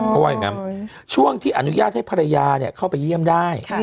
เพราะว่าอย่างนั้นช่วงที่อนุญาตให้ภรรยาเข้าไปเยี่ยมได้